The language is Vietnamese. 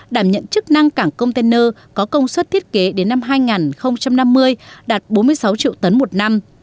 đảm nhận chức năng cảng container có công suất thiết kế đến năm hai nghìn năm mươi đạt bốn mươi sáu triệu tấn một năm